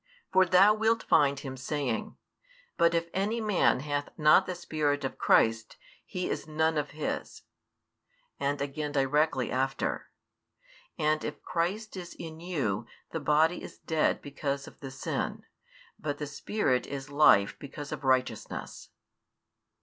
For thou wilt find him saying: But if any man hath not the Spirit of Christ, he is none of His, and again directly after: And if Christ is in you, the body is dead because of the sin; but the Spirit is life because of righteousness.